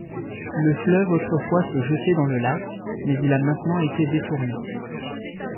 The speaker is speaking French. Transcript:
Le fleuve autrefois se jetait dans le lac, mais il a maintenant été détourné.